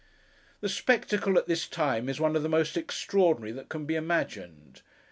The spectacle, at this time, is one of the most extraordinary that can be imagined.